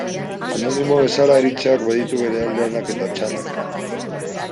Anonimo bezala aritzeak baditu bere alde onak eta txarrak.